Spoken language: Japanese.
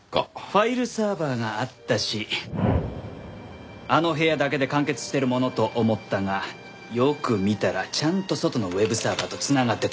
ファイルサーバーがあったしあの部屋だけで完結してるものと思ったがよく見たらちゃんと外のｗｅｂサーバーと繋がってた。